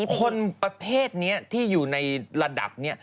คนประเภทนี้ที่อยู่ในระดับนี้